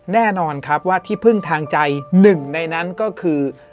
แน่นอนครับว่าที่พึ่งทางใจหนึ่งในนั้นก็คือ